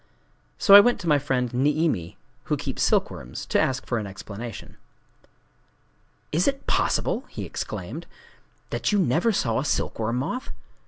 _ So I went to my friend Niimi, who keeps silkworms, to ask for an explanation. "Is it possible," he exclaimed, "that you never saw a silkworm moth?